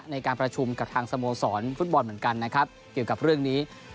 ในการประชุมกับทางสโมสรฟุตบอลเหมือนกัน